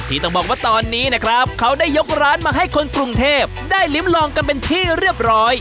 ที่ต้องบอกว่าตอนนี้นะครับเขาได้ยกร้านมาให้คนกรุงเทพได้ลิ้มลองกันเป็นที่เรียบร้อย